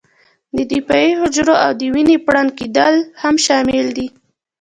د دفاعي حجرو او د وینې پړن کېدل هم شامل دي.